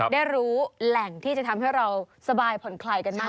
ได้รู้แหล่งที่จะทำให้เราสบายผ่อนคลายกันมาก